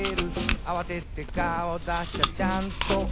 「あわてて顔だしゃちゃんとある」